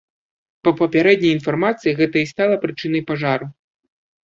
Па папярэдняй інфармацыі, гэта і стала прычынай пажару.